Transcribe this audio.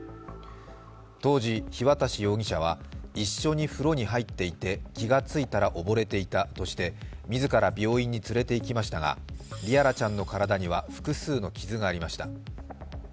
当時、日渡容疑者は一緒に風呂に入っていてきがついたら溺れていたとして自ら病院に連れて行きましたが璃愛來ちゃんの体には複数の傷がありました。